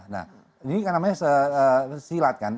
nah ini kan namanya silat kan